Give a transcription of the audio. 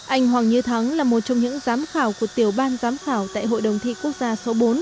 anh hoàng như thắng là một trong những giám khảo của tiểu ban giám khảo tại hội đồng thi quốc gia số bốn